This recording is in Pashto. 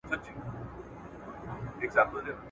له خالپوڅو تر پیریه لږ خوږې ډیري ترخې دي !.